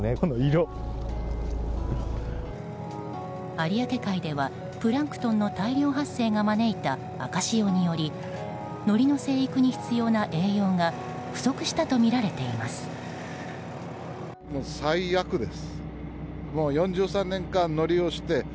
有明海では、プランクトンの大量発生が招いた赤潮によりのりの生育に必要な栄養が不足したとみられています。